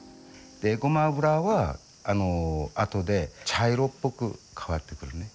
エゴマ油は後で茶色っぽく変わってくるね。